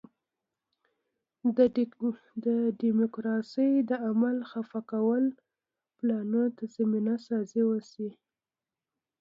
د ډیموکراسۍ د عمل خفه کولو پلانونو ته زمینه سازي وشي.